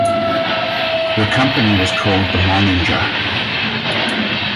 The company was called the "Meininger".